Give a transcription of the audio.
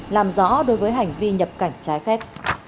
làm rõ đối với hành vi nhập cảnh trái phép